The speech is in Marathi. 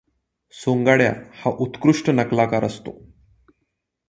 सोंगाड्या हा उत्कृष्ट नकलाकार असतो.